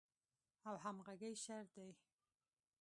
او همغږۍ شرط دی.